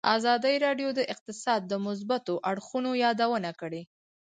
ازادي راډیو د اقتصاد د مثبتو اړخونو یادونه کړې.